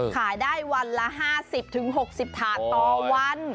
ขายได้วันละ๕๐๖๐ถาดต่อวัน